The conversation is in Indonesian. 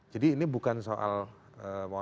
jadi ini bukan soal monolog